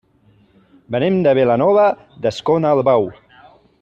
Venim de Vilanova d'Escornalbou.